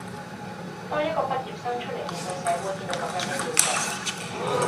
當一個畢業生出黎面對社會見到咁樣嘅前景